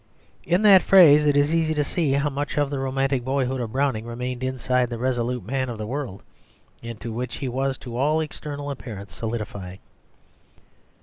In that phrase it is easy to see how much of the romantic boyhood of Browning remained inside the resolute man of the world into which he was to all external appearance solidifying.